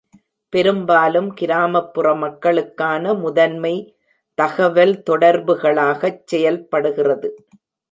பெரும்பாலும் கிராமப்புற மக்களுக்கான முதன்மை தகவல்தொடர்புகளாகச் செயல்படுகிறது.